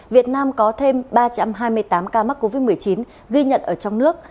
việt nam có thêm ba trăm hai mươi tám ca mắc covid một mươi chín ghi nhận ở trong nước